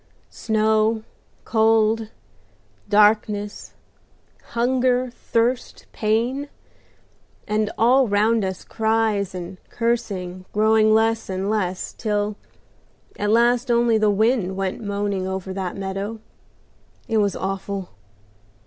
Snow, cold, darkness, hunger, thirst, pain, and all round us cries and cursing growing less and less, till at last only the wind went moaning over that meadow. It was awful!